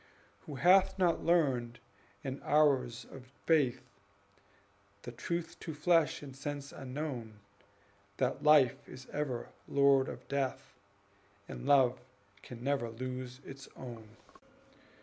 Who hath not learned, in hours of faith, The truth to flesh and sense unknown, That Life is ever lord of Death, And Love can never lose its own!